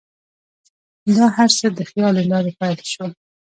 دا هر څه د خیال له لارې پیل شول.